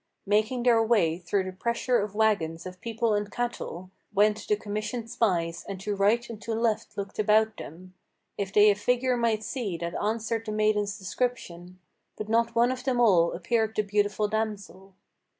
Making their way through the pressure of wagons, of people and cattle, Went the commissioned spies, and to right and to left looked about them, If they a figure might see that answered the maiden's description; But not one of them all appeared the beautiful damsel.